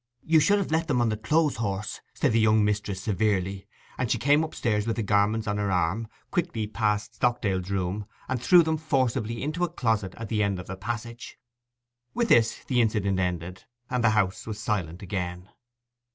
'You should have left 'em on the clothes horse,' said the young mistress severely; and she came upstairs with the garments on her arm, quickly passed Stockdale's room, and threw them forcibly into a closet at the end of a passage. With this the incident ended, and the house was silent again.